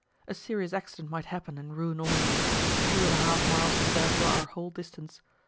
A serious accident might happen and ruin all. Two and half miles was therefore our whole distance.